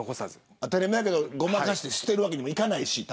当たり前やけどごまかして捨てるわけにもいかないですし。